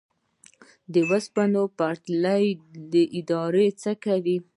د اوسپنې پټلۍ اداره څه کوي؟